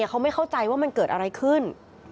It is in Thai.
เขาไม่เข้าใจว่ามันเกิดอะไรขึ้น